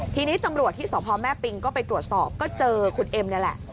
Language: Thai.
ทีนี้ตำรวจที่สพแม่ปิงก็ไปตรวจสอบก็เจอคุณเอ็มนี่แหละ